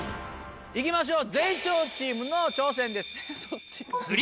いきましょう。